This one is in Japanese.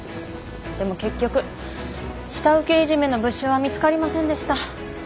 でも結局下請けいじめの物証は見つかりませんでした。